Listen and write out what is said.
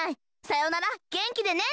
「さよならげんきでね」